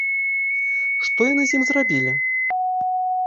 Што яны з ім зрабілі!